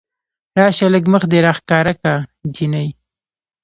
راشه لږ مخ دې راښکاره که جينۍ